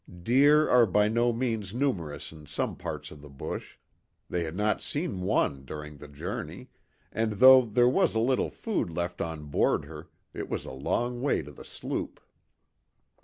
Deer are by no means numerous in some parts of the bush; they had not seen one during the journey; and though there was a little food left on board her, it was a long way to the sloop.